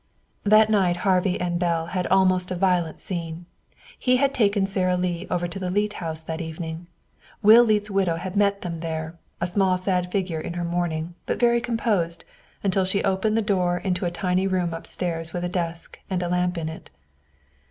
That night Harvey and Belle had almost a violent scene. He had taken Sara Lee over the Leete house that evening. Will Leete's widow had met them there, a small sad figure in her mourning, but very composed, until she opened the door into a tiny room upstairs with a desk and a lamp in it.